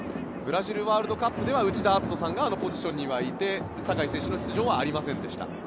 ブラジルワールドカップでは内田篤人さんがあのポジションにはいて酒井選手の出場はありませんでした。